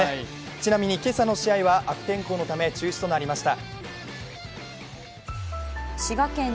ちなみに今朝の試合は悪天候のため中止となりました。